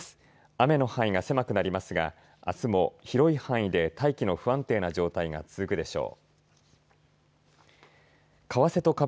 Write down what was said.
雨の範囲が狭くなりますが、あすも広い範囲で大気の不安定な状態が続くでしょう。